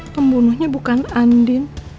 pembunuhnya bukan andin